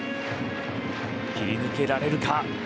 切り抜けられるか。